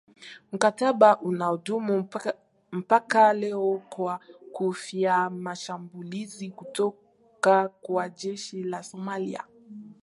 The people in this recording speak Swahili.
Mkataba unaodumu mpaka leo kwa kuhofia mashambulizi kutoka kwa jeshi la Somalia